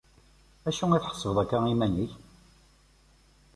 acu i tḥesbeḍ akka iman-ik?